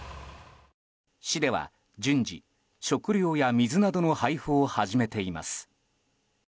市では順次、食料や水などの配布を始めています。